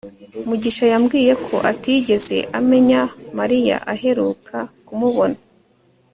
mugisha yambwiye ko atigeze amenya mariya aheruka kumubona